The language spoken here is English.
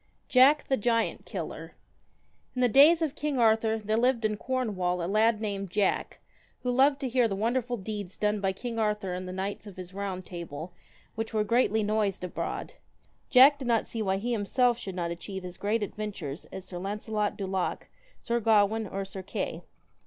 JACK THE GIANT KILLER. JACKTHE[= iilN the days of King Arthur there lived KILLER INI Ml in Cornwall a lad named Jack, who wonderful done by King Arthur and the knights of his Round Table, which were freatly noised abroad, ack did not see why he himself should not achieve as great adventures as Sir Lancelot du Lac, Sir Gawain, or Sir Kay.